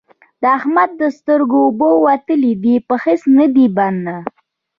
د احمد د سترګو اوبه وتلې دي؛ په هيڅ نه دی بند،